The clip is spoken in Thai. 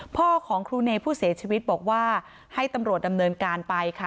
พ่อของครูเนย์ผู้เสียชีวิตบอกว่าให้ตำรวจดำเนินการไปค่ะ